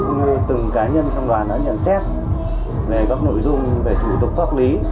cũng như từng cá nhân trong đoàn đã nhận xét về các nội dung về thủ tục pháp lý